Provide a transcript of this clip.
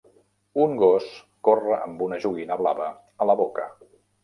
Un gos corre amb una joguina blava a la boca.